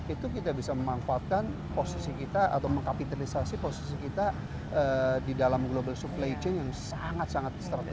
itu kita bisa memanfaatkan posisi kita atau mengkapitalisasi posisi kita di dalam global supply chain yang sangat sangat strategis